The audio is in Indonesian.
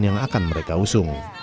yang akan mereka usung